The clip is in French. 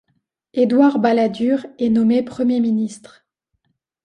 Édouard Balladur est nommé Premier ministre.